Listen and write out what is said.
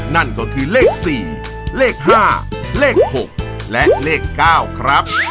นั่นก็คือเลข๔เลข๕เลข๖และเลข๙ครับ